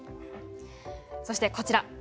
そしてこちら。